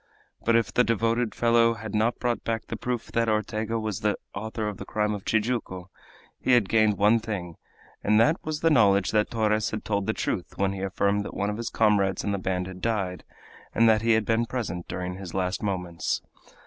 But if the devoted fellow had not brought back the proof that Ortega was the author of the crime of Tijuco, he had gained one thing, and that was the knowledge that Torres had told the truth when he affirmed that one of his comrades in the band had died, and that he had been present during his last moments.